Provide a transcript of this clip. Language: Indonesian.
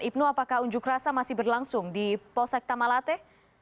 ibnu apakah unjuk rasa masih berlangsung di polsek tamalate